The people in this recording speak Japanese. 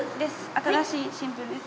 新しい新聞です。